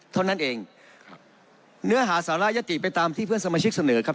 เท่านั้นเองครับเนื้อหาสาระยติไปตามที่เพื่อนสมาชิกเสนอครับ